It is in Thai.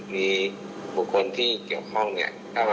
มีบุคคลที่เกี่ยวข้องเนี่ย